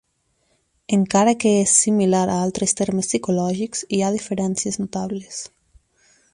Encara que és similar a altres termes psicològics, hi ha diferències notables.